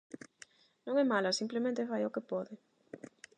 Non é mala, simplemente fai o que pode.